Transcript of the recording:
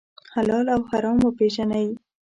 حلال او حرام وپېژنئ.